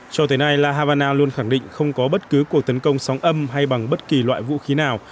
cho tới nay la habana luôn khẳng định không có bất cứ cuộc tấn công sóng âm hay bằng bất kỳ loại vũ khí nào